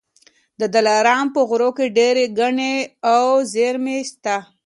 د دلارام په غرو کي ډېر کاڼي او زېرمې سته.